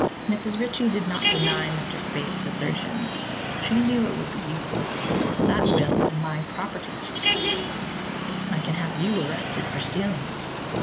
Mrs. Ritchie did not deny Mr. Spaythe's assertion. She knew it would be useless. "That will is my property," she said sullenly. "I can have you arrested for stealing it."